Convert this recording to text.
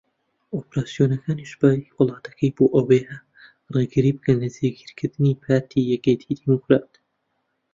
ئۆپەراسیۆنەکانی سوپای وڵاتەکەی بۆ ئەوەیە رێگری بکەن لە جێگیرکردنی پارتی یەکێتی دیموکرات